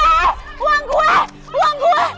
balikin dimana dururan